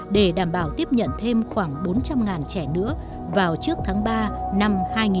để đảm bảo tiếp nhận thêm khoảng bốn trăm linh trẻ nữa vào trước tháng ba năm hai nghìn hai mươi